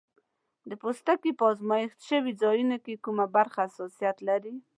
د پوستکي په آزمېښت شوي ځایونو کې کومه برخه حساسیت لري؟